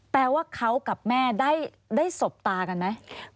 แปลว่าเขากับแม่ได้สบตากันไหม